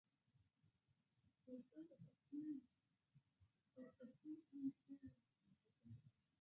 Vaicha ndahasýi ha katu añetehápe hasy.